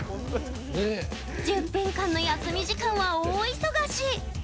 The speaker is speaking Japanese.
１０分間の休み時間は大忙し！